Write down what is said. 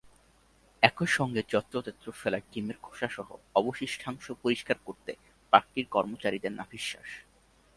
একই সঙ্গে যত্রতত্র ফেলা ডিমের খোসাসহ অবশিষ্টাংশ পরিষ্কার করতে পার্কটির কর্মচারীদের নাভিশ্বাস।